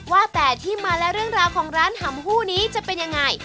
ว่าแต่ที่มาและเรื่องราวของร้านหำหู้นี้จะเป็นยังไง